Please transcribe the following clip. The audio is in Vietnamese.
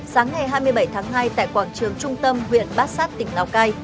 sáng ngày hai mươi bảy tháng hai tại quảng trường trung tâm huyện bát sát tỉnh lào cai